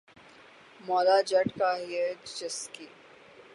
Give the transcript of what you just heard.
’مولا جٹ‘ کا ہے جس کی